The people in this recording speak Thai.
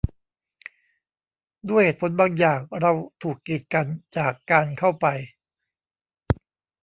ด้วยเหตุผลบางอย่าง เราถูกกีดกันจากการเข้าไป